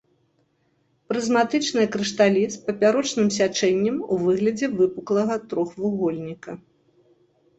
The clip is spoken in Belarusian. Прызматычныя крышталі з папярочным сячэннем у выглядзе выпуклага трохвугольніка.